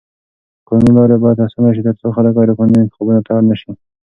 قانوني لارې بايد اسانه شي تر څو خلک غيرقانوني انتخابونو ته اړ نه شي.